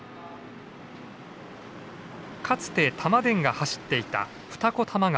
かつて玉電が走っていた二子玉川。